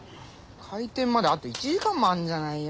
開店まであと１時間もあんじゃないよ